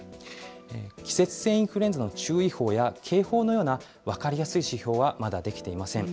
季節性インフルエンザの注意報や警報のような分かりやすい指標はまだできていません。